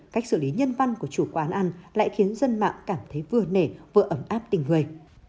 cách xử lý nhân văn của chủ quán ăn lại khiến dân mạng cảm thấy vừa nể vừa ấm áp tình người